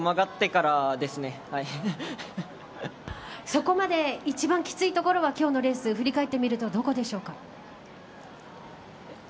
そこまで一番きついところは今日のレース振り返ってみるとどこでしょうか。